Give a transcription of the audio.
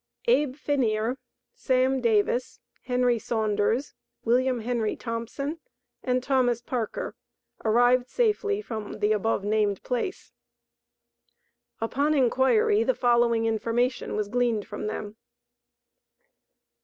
ABE FINEER, SAM DAVIS, HENRY SAUNDERS, WM. HENRY THOMPSON and THOMAS PARKER arrived safely from the above named place. Upon inquiry, the following information was gleaned from them.